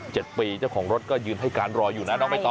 เจ้าของรถก็ยืนให้การรออยู่นะน้องไปต่อ